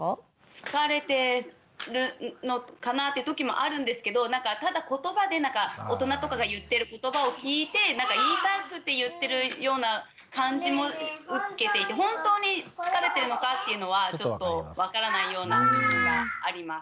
疲れてるのかなって時もあるんですけどなんかただ言葉で大人とかが言ってる言葉を聞いて言いたくて言ってるような感じも受けていて本当に疲れてるのかっていうのはちょっと分からないような時があります。